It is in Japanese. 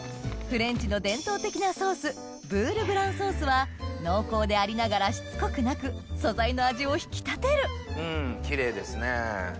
フレンチの伝統的なソースブールブランソースは濃厚でありながらしつこくなく素材の味を引き立てるキレイですね。